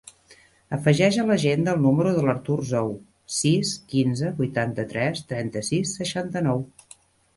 Afegeix a l'agenda el número de l'Artur Zhou: sis, quinze, vuitanta-tres, trenta-sis, seixanta-nou.